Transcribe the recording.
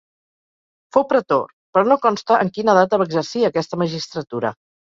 Fou pretor, però no consta en quina data va exercir aquesta magistratura.